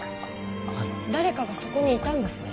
はい誰かがそこにいたんですね